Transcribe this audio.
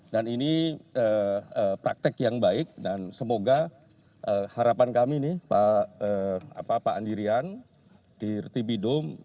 dan ini praktek yang baik dan semoga harapan kami nih pak andirian di rti bidom